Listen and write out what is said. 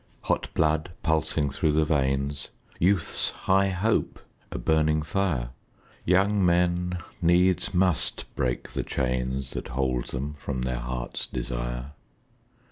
Hot blood pulsing through the veins, Youth's high hope a burning fire, Young men needs must break the chains That hold them from their hearts' desire.